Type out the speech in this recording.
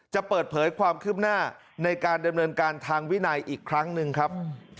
จะเปิดเผยความคืบหน้าในการดำเนินการทางวินัยอีกครั้งหนึ่งครับ